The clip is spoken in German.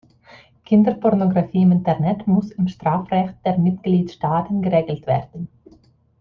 Kinderpornografie im Internet muss im Strafrecht der Mitgliedstaaten geregelt werden.